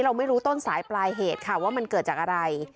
เราไม่รู้ต้นสายปลายเหตุค่ะว่ามันเกิดจากอะไร